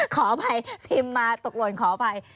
ขออภัยพิมพ์มาตกหล่นขออภัย